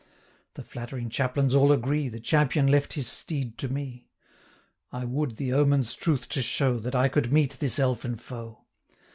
The flattering chaplains all agree, The champion left his steed to me. I would, the omen's truth to show, 560 That I could meet this Elfin Foe!